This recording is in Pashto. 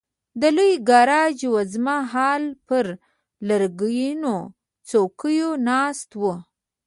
د لوی ګاراج وزمه هال پر لرګینو څوکیو ناست وو.